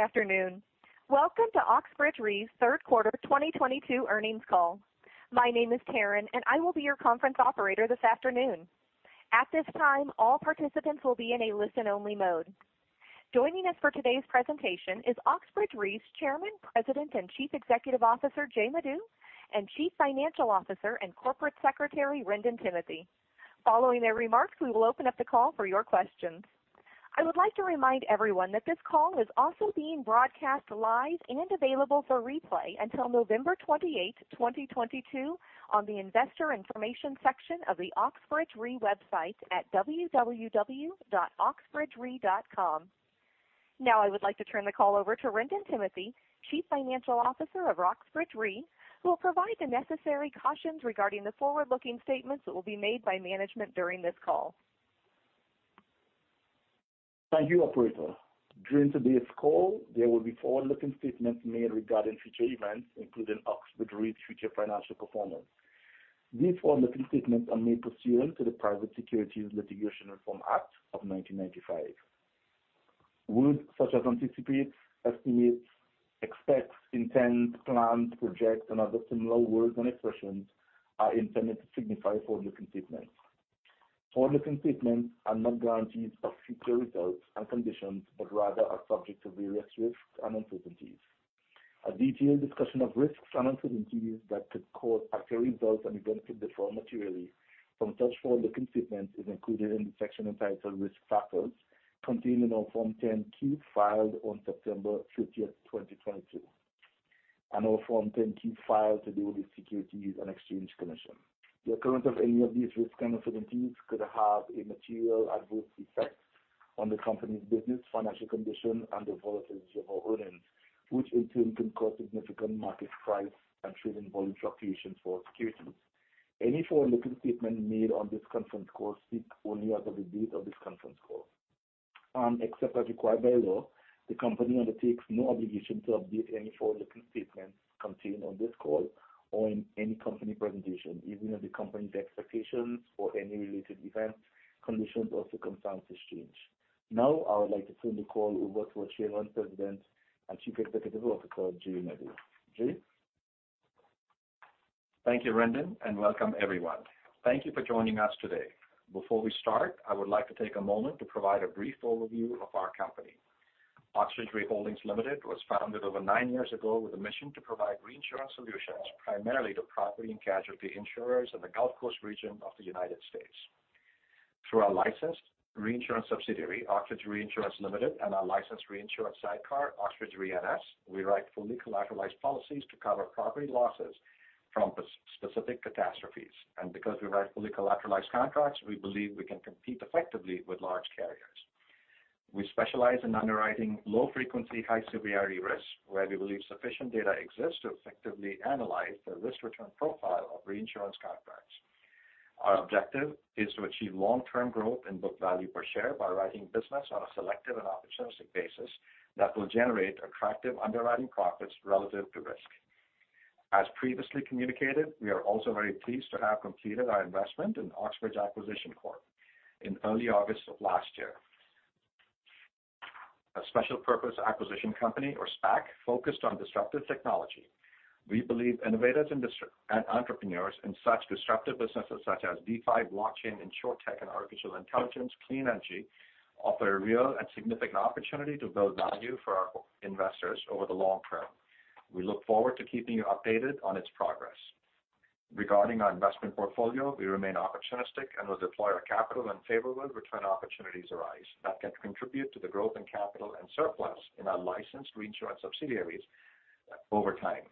Good afternoon. Welcome to Oxbridge Re's third quarter 2022 earnings call. My name is Taryn, and I will be your conference operator this afternoon. At this time, all participants will be in a listen-only mode. Joining us for today's presentation is Oxbridge Re's Chairman, President, and Chief Executive Officer, Jay Madhu, and Chief Financial Officer and Corporate Secretary, Wrendon Timothy. Following their remarks, we will open up the call for your questions. I would like to remind everyone that this call is also being broadcast live and available for replay until November 28th, 2022, on the Investor Information section of the Oxbridge Re website at www.oxbridgere.com. Now, I would like to turn the call over to Wrendon Timothy, Chief Financial Officer of Oxbridge Re, who will provide the necessary cautions regarding the forward-looking statements that will be made by management during this call. Thank you, operator. During today's call, there will be forward-looking statements made regarding future events, including Oxbridge Re's future financial performance. These forward-looking statements are made pursuant to the Private Securities Litigation Reform Act of 1995. Words such as anticipate, estimate, expect, intend, plan, project, and other similar words and expressions are intended to signify forward-looking statements. Forward-looking statements are not guarantees of future results and conditions, but rather are subject to various risks and uncertainties. A detailed discussion of risks and uncertainties that could cause actual results and events to differ materially from such forward-looking statements is included in the section entitled Risk Factors contained in our Form 10-K filed on September 30th, 2022, and our Form 10-K filed with the Securities and Exchange Commission. The occurrence of any of these risks and uncertainties could have a material adverse effect on the company's business, financial condition, and the volatility of our earnings, which in turn can cause significant market price and trading volume fluctuations for our securities. Any forward-looking statements made on this conference call speak only as of the date of this conference call. Except as required by law, the company undertakes no obligation to update any forward-looking statements contained on this call or in any company presentation, even if the company's expectations or any related events, conditions, or circumstances change. Now, I would like to turn the call over to our Chairman, President, and Chief Executive Officer, Jay Madhu. Jay? Thank you, Wrendon, and welcome everyone. Thank you for joining us today. Before we start, I would like to take a moment to provide a brief overview of our company. Oxbridge Re Holdings Limited was founded over nine years ago with a mission to provide reinsurance solutions primarily to property and casualty insurers in the Gulf Coast region of the United States. Through our licensed reinsurance subsidiary, Oxbridge Reinsurance Limited, and our licensed reinsurance sidecar, Oxbridge Re NS, we write fully collateralized policies to cover property losses from specific catastrophes. Because we write fully collateralized contracts, we believe we can compete effectively with large carriers. We specialize in underwriting low frequency, high severity risks, where we believe sufficient data exists to effectively analyze the risk-return profile of reinsurance contracts. Our objective is to achieve long-term growth in book value per share by writing business on a selective and opportunistic basis that will generate attractive underwriting profits relative to risk. As previously communicated, we are also very pleased to have completed our investment in Oxbridge Acquisition Corp in early August of last year. A special purpose acquisition company or SPAC focused on disruptive technology. We believe innovators and entrepreneurs in such disruptive businesses such as DeFi, blockchain, Insurtech, and artificial intelligence, clean energy, offer a real and significant opportunity to build value for our investors over the long term. We look forward to keeping you updated on its progress. Regarding our investment portfolio, we remain opportunistic and will deploy our capital when favorable return opportunities arise that can contribute to the growth in capital and surplus in our licensed reinsurance subsidiaries over time.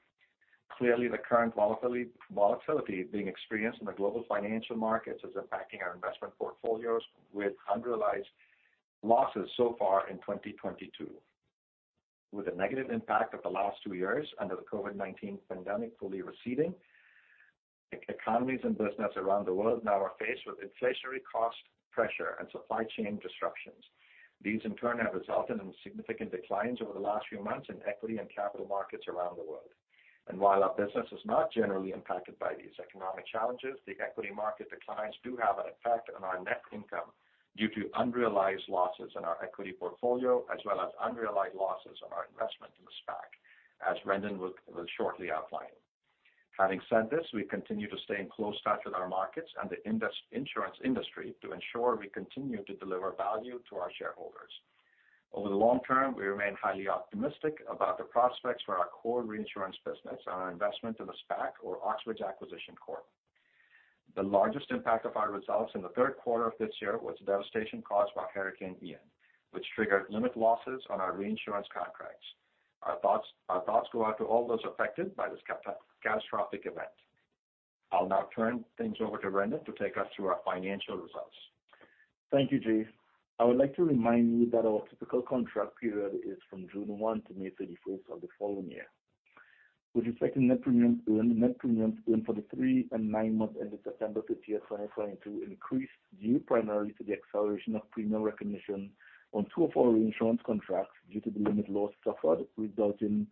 Clearly, the current volatility being experienced in the global financial markets is impacting our investment portfolios with unrealized losses so far in 2022. With the negative impact of the last two years under the COVID-19 pandemic fully receding, economies and business around the world now are faced with inflationary cost pressure and supply chain disruptions. These, in turn, have resulted in significant declines over the last few months in equity and capital markets around the world. While our business is not generally impacted by these economic challenges, the equity market declines do have an effect on our net income due to unrealized losses in our equity portfolio, as well as unrealized losses on our investment in the SPAC, as Wrendon will shortly outline. Having said this, we continue to stay in close touch with our markets and the insurance industry to ensure we continue to deliver value to our shareholders. Over the long term, we remain highly optimistic about the prospects for our core reinsurance business and our investment in the SPAC or Oxbridge Acquisition Corp. The largest impact of our results in the third quarter of this year was the devastation caused by Hurricane Ian, which triggered limit losses on our reinsurance contracts. Our thoughts go out to all those affected by this catastrophic event. I'll now turn things over to Wrendon to take us through our financial results. Thank you, Jay. I would like to remind you that our typical contract period is from June 1 to May 31st of the following year. With respect to net premiums earned, net premiums earned for the three and nine months ended September 30th, 2022 increased due primarily to the acceleration of premium recognition on two of our reinsurance contracts due to the limit loss suffered resulting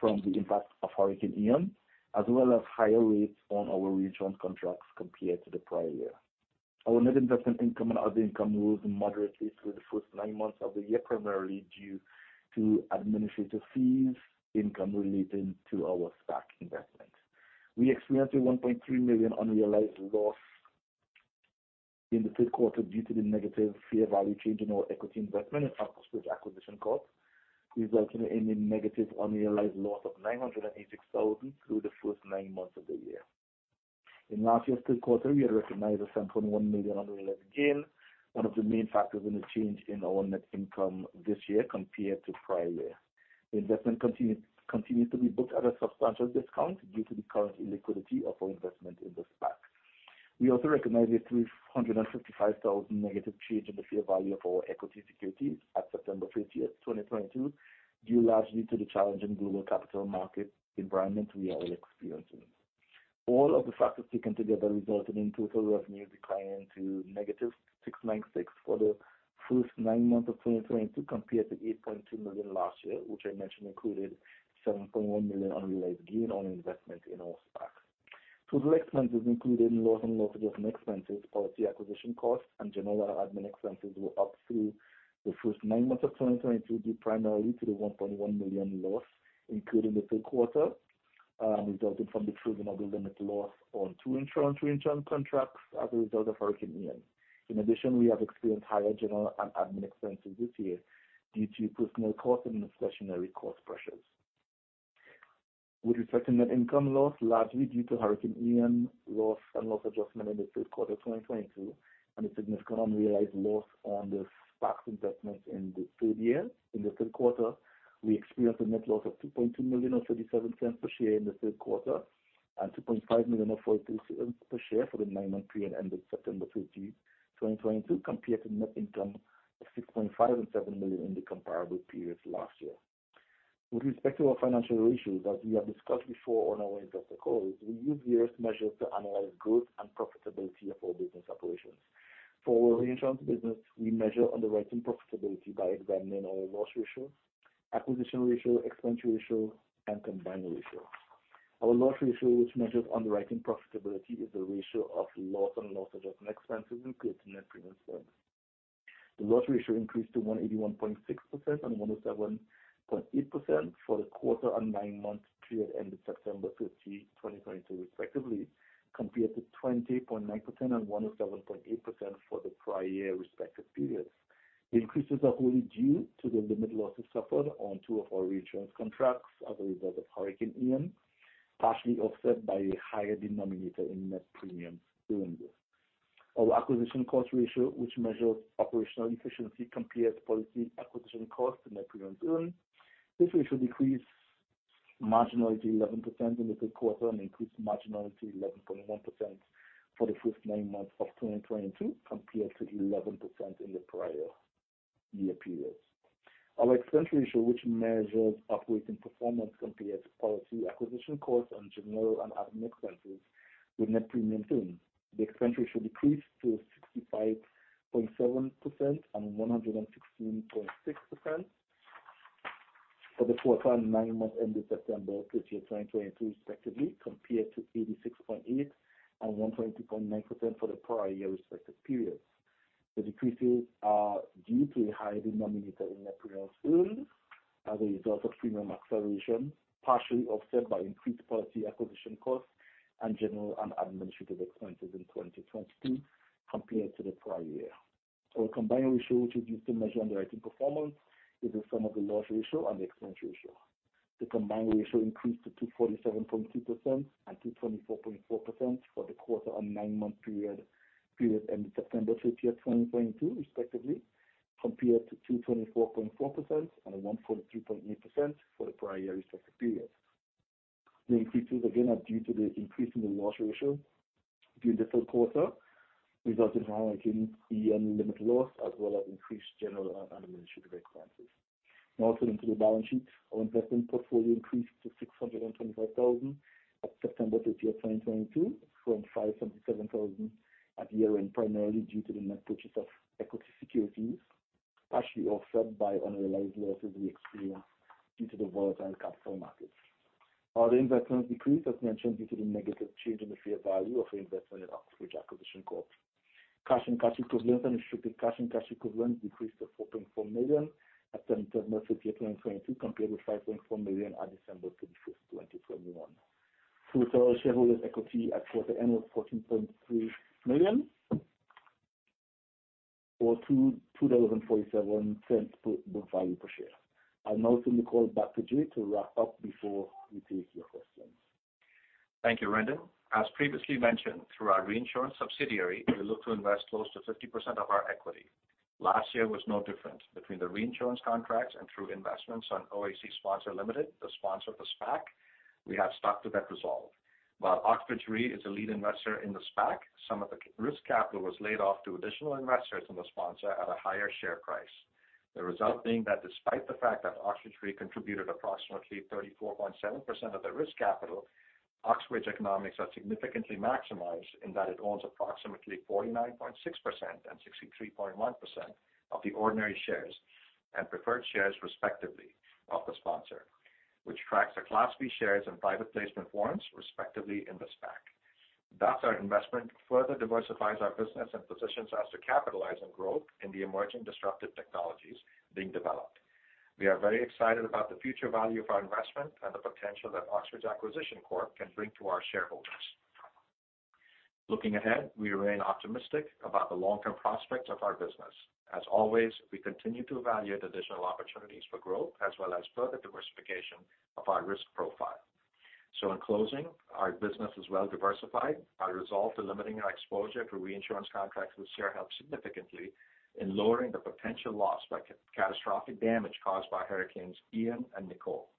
from the impact of Hurricane Ian, as well as higher rates on our reinsurance contracts compared to the prior year. Our net investment income and other income rose moderately through the first nine months of the year, primarily due to administrative fees, income relating to our SPAC investment. We experienced a $1.3 million unrealized loss in the third quarter due to the negative fair value change in our equity investment in Oxbridge Acquisition Corp, resulting in a negative unrealized loss of $986,000 through the first nine months of the year. In last year's third quarter, we had recognized a $7.1 million unrealized gain, one of the main factors in the change in our net income this year compared to prior year. The investment continues to be booked at a substantial discount due to the current illiquidity of our investment in the SPAC. We also recognized a $355,000 negative change in the fair value of our equity securities at September 30th, 2022, due largely to the challenging global capital market environment we are all experiencing. All of the factors taken together resulted in total revenue declining to -$696 for the first nine months of 2022 compared to $8.2 million last year, which I mentioned included $7.1 million unrealized gain on investment in our SPAC. Total expenses, including loss and loss adjustment expenses, policy acquisition costs, and general admin expenses were up through the first nine months of 2022, due primarily to the $1.1 million loss incurred in the third quarter, resulting from the triggering of the limit loss on two insurance reinsurance contracts as a result of Hurricane Ian. In addition, we have experienced higher general and admin expenses this year due to personnel cost and inflationary cost pressures. With respect to net income loss, largely due to Hurricane Ian loss and loss adjustment in the third quarter of 2022 and a significant unrealized loss on the SPAC investment in the third year. In the third quarter, we experienced a net loss of $2.2 million or $0.37 per share in the third quarter and $2.5 million or $0.42 per share for the nine-month period ending September 30, 2022, compared to net income of $6.5 million and $7 million in the comparable periods last year. With respect to our financial ratios that we have discussed before on our investor calls, we use various measures to analyze growth and profitability of our business operations. For our reinsurance business, we measure underwriting profitability by examining our loss ratio, acquisition ratio, expense ratio, and combined ratio. Our loss ratio, which measures underwriting profitability, is the ratio of loss and loss adjustment expenses including net premium earned. The loss ratio increased to 181.6% and 107.8% for the quarter and nine-month period ending September 30, 2022, respectively, compared to 20.9% and 107.8% for the prior year respective periods. The increases are wholly due to the limit losses suffered on two of our reinsurance contracts as a result of Hurricane Ian, partially offset by a higher denominator in net premiums earned. Our acquisition cost ratio, which measures operational efficiency compared to policy acquisition costs and net premiums earned. This ratio decreased marginally to 11% in the third quarter and increased marginally to 11.1% for the first nine months of 2022, compared to 11% in the prior year periods. Our expense ratio, which measures operating performance compared to policy acquisition costs and general and admin expenses with net premium earned, the expense ratio decreased to 65.7% and 116.6% for the quarter and nine months ending September 30th, 2022, respectively, compared to 86.8% and 122.9% for the prior year's respective periods. The decreases are due to a higher denominator in net premiums earned as a result of premium acceleration, partially offset by increased policy acquisition costs and general and administrative expenses in 2022 compared to the prior year. Our combined ratio, which is used to measure underwriting performance, is the sum of the loss ratio and the expense ratio. The combined ratio increased to 247.2% and 224.4% for the quarter and nine-month period ending September 30, 2022, respectively, compared to 224.4% and 143.8% for the prior year's respective periods. The increases again are due to the increase in the loss ratio during the third quarter, resulting from Hurricane Ian limited loss as well as increased general and administrative expenses. Now turning to the balance sheet. Our investment portfolio increased to $625,000 at September 30th, 2022, from $577,000 at year-end, primarily due to the net purchase of equity securities, partially offset by unrealized losses we experienced due to the volatile capital markets. Our other investments decreased as mentioned due to the negative change in the fair value of our investment in Oxbridge Acquisition Corp. Cash and cash equivalents and restricted cash and cash equivalents decreased to $4.4 million at September 30th, 2022, compared with $5.4 million at December 31st, 2021. Total shareholder equity at quarter end was $14.3 million, or $2.47 book value per share. I'll now turn the call back to Jay to wrap up before we take your questions. Thank you, Wrendon. As previously mentioned, through our reinsurance subsidiary, we look to invest close to 50% of our equity. Last year was no different. Between the reinsurance contracts and through investments in OAC Sponsor Ltd., the sponsor of the SPAC, we have stuck to that resolve. While Oxbridge Re is a lead investor in the SPAC, some of the risk capital was laid-off to additional investors in the sponsor at a higher share price. The result being that despite the fact that Oxbridge Re contributed approximately 34.7% of the risk capital, Oxbridge's economics are significantly maximized in that it owns approximately 49.6% and 63.1% of the ordinary shares and preferred shares, respectively, of the sponsor, which tracks the Class B shares and private placement warrants, respectively in the SPAC. That's our investment, further diversifies our business and positions us to capitalize on growth in the emerging disruptive technologies being developed. We are very excited about the future value of our investment and the potential that Oxbridge Acquisition Corp can bring to our shareholders. Looking ahead, we remain optimistic about the long-term prospects of our business. As always, we continue to evaluate additional opportunities for growth as well as further diversification of our risk profile. In closing, our business is well-diversified. Our resolve to limiting our exposure to reinsurance contracts with quota share helped significantly in lowering the potential loss by catastrophic damage caused by Hurricane Ian and Nicole.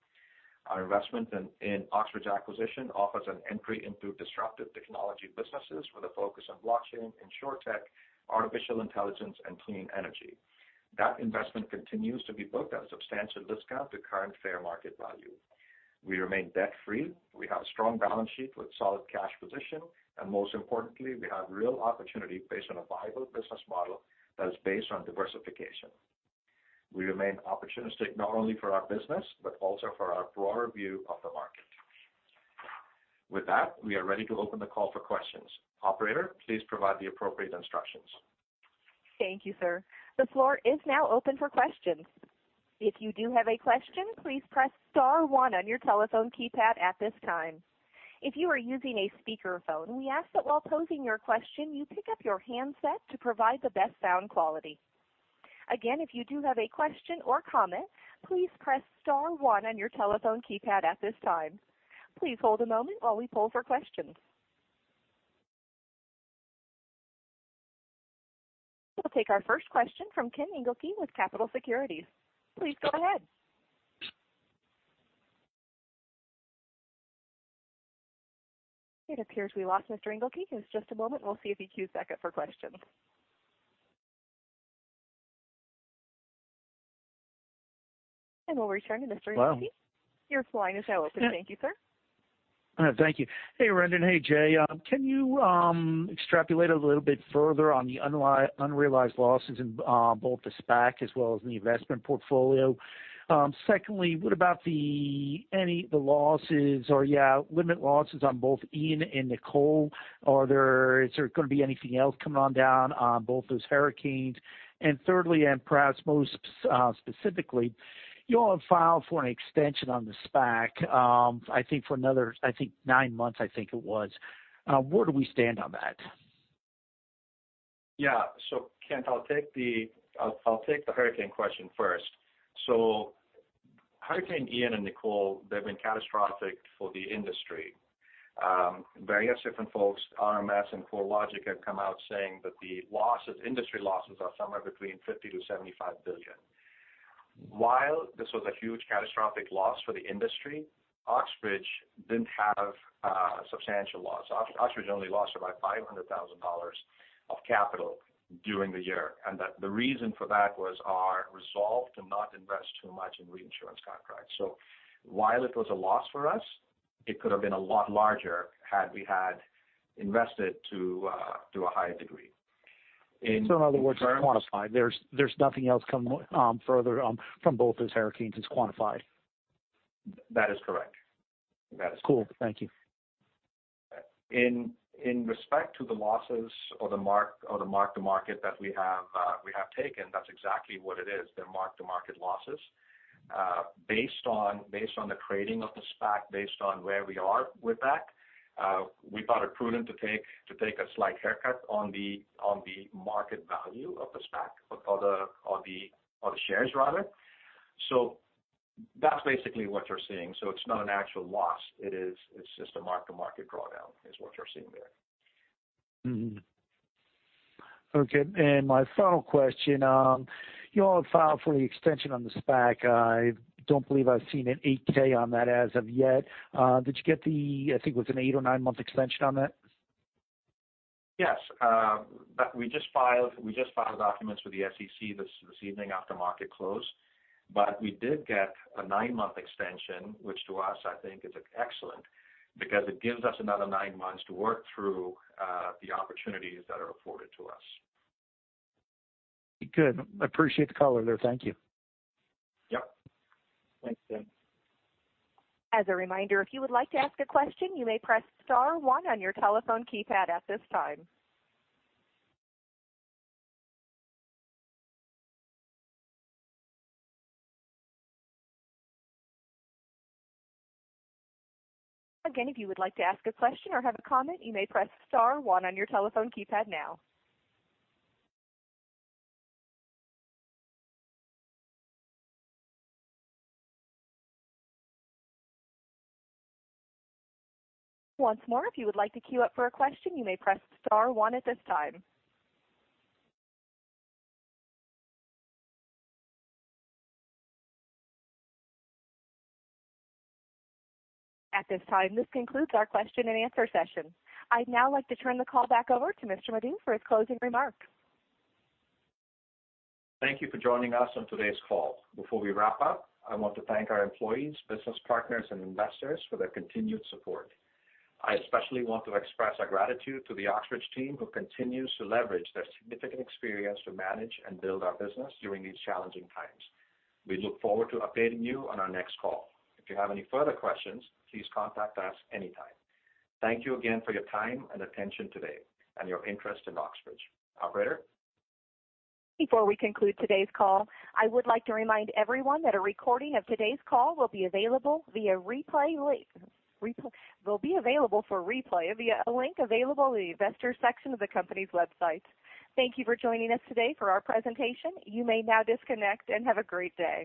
Our investment in Oxbridge Acquisition offers an entry into disruptive technology businesses with a focus on blockchain, insurtech, artificial intelligence, and clean energy. That investment continues to be booked at a substantial discount to current fair market value. We remain debt-free. We have a strong balance sheet with solid cash position. Most importantly, we have real opportunity based on a viable business model that is based on diversification. We remain opportunistic not only for our business, but also for our broader view of the market. With that, we are ready to open the call for questions. Operator, please provide the appropriate instructions. Thank you, sir. The floor is now open for questions. If you do have a question, please press star one on your telephone keypad at this time. If you are using a speakerphone, we ask that while posing your question, you pick up your handset to provide the best sound quality. Again, if you do have a question or comment, please press star one on your telephone keypad at this time. Please hold a moment while we poll for questions. We'll take our first question from Kent Engelke with Capitol Securities. Please go ahead. It appears we lost Mr. Engelke. Give us just a moment, we'll see if he queues back up for questions. We'll return to Mr. Engelke. Hello. Your line is now open. Thank you, sir. Thank you. Hey, Wrendon. Hey, Jay. Can you extrapolate a little bit further on the unrealized losses in both the SPAC as well as in the investment portfolio? Secondly, what about the losses or limit losses on both Ian and Nicole? Is there gonna be anything else coming on down on both those hurricanes? Thirdly, and perhaps most specifically, you all have filed for an extension on the SPAC, I think for another nine months, I think it was. Where do we stand on that? Yeah. Kent, I'll take the hurricane question first. Hurricane Ian and Nicole, they've been catastrophic for the industry. Various different folks, RMS and CoreLogic have come out saying that the losses, industry losses are somewhere between $50 billion-$75 billion. While this was a huge catastrophic loss for the industry, Oxbridge didn't have substantial loss. Oxbridge only lost about $500,000 of capital during the year. The reason for that was our resolve to not invest too much in reinsurance contracts. While it was a loss for us, it could have been a lot larger had we had invested to a higher degree. In other words, it's quantified. There's nothing else coming further from both those hurricanes. It's quantified. That is correct. Cool. Thank you. In respect to the losses or the mark-to-market that we have taken, that's exactly what it is. They're mark-to-market losses. Based on the trading of the SPAC, based on where we are with that, we thought it prudent to take a slight haircut on the market value of the SPAC or the shares rather. That's basically what you're seeing. It's not an actual loss. It is just a mark-to-market drawdown is what you're seeing there. Okay, my final question, you all have filed for the extension on the SPAC. I don't believe I've seen an 8-K on that as of yet. Did you get the, I think it was an eight- or nine-month extension on that? Yes. We just filed documents with the SEC this evening after market close. We did get a nine-month extension, which to us I think is excellent because it gives us another nine months to work through the opportunities that are afforded to us. Good. I appreciate the color there. Thank you. Yep. Thanks, Kent. As a reminder, if you would like to ask a question, you may press star one on your telephone keypad at this time. Again, if you would like to ask a question or have a comment, you may press star one on your telephone keypad now. Once more, if you would like to queue up for a question, you may press star one at this time. At this time, this concludes our question-and-answer session. I'd now like to turn the call back over to Mr. Madhu for his closing remarks. Thank you for joining us on today's call. Before we wrap up, I want to thank our employees, business partners, and investors for their continued support. I especially want to express our gratitude to the Oxbridge team, who continues to leverage their significant experience to manage and build our business during these challenging times. We look forward to updating you on our next call. If you have any further questions, please contact us anytime. Thank you again for your time and attention today, and your interest in Oxbridge. Operator? Before we conclude today's call, I would like to remind everyone that a recording of today's call will be available for replay via a link available in the Investor Section of the company's website. Thank you for joining us today for our presentation. You may now disconnect and have a great day.